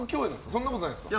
そんなことないですか。